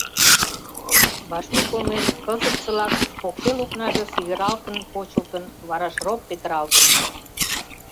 Вашмут олмеш кызытсылак покшел окнаже сигыралтын почылтын, вара шроп петыралтын.